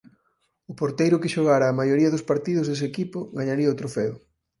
O porteiro que xogara a maioría dos partidos dese equipo gañaría o Trofeo.